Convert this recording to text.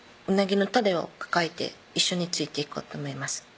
うなぎのタレを抱えて一緒についていこうと思います